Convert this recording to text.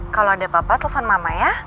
kalau ada apa apa telfon mama ya